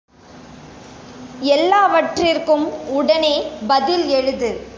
எல்லாவற்றிற்கும் உடனே பதில் எழுது.